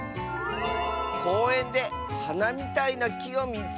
「こうえんではなみたいな『き』をみつけた！」。